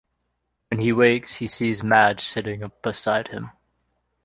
When he wakes, he sees Madge sitting beside him.